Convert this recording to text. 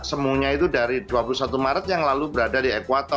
semuanya itu dari dua puluh satu maret yang lalu berada di ekuator